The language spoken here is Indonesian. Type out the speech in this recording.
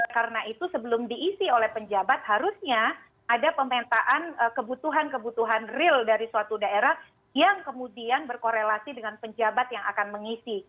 karena itu sebelum diisi oleh penjabat harusnya ada pembentaan kebutuhan kebutuhan real dari suatu daerah yang kemudian berkorelasi dengan penjabat yang akan mengisi